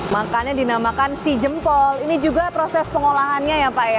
makannya dinamakan si jempol ini juga proses pengolahannya ya pak ya